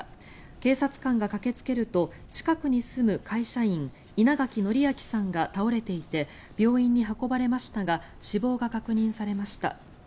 警察官が駆けつけると近くに住む会社員稲垣徳昭さんが倒れていて病院に運ばれましたが死亡が確認されました。